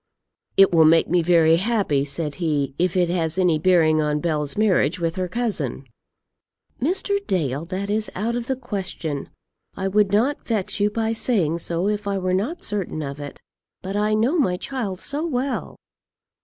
"It will make me very happy," said he, "if it has any bearing on Bell's marriage with her cousin." "Mr. Dale, that is out of the question. I would not vex you by saying so if I were not certain of it; but I know my child so well!"